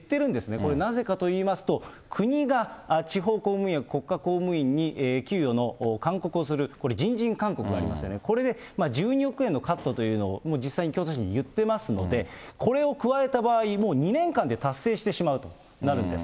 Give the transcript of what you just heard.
これなぜかと言いますと、国が地方公務員や国家公務員に給与の勧告をする、これ人事院勧告がありますね、これで１２億円のカットというのを実際に京都市に言っていますので、これを加えた場合、もう２年間で達成してしまうとなるんです。